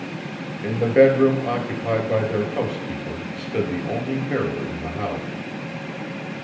In the bedroom occupied by their housekeeper stood the only mirror in the house.